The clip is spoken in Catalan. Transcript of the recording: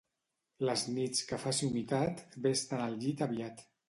Les nits que faci humitat, ves-te'n al llit aviat.